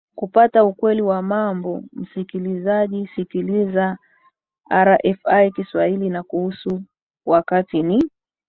kupata ukweli wa mambo msikilizaji sikiliza rfi kiswahili na kuhusu wakti ni